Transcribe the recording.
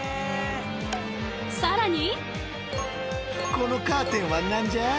さらに。